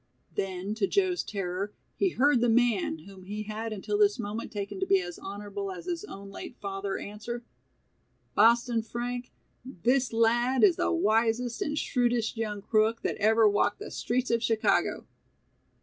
Then to Joe's terror, he heard the man whom he had until this moment taken to be as honorable as his own late father answer: "Boston Frank, this lad is the wisest and shrewdest young crook that ever walked the streets of Chicago."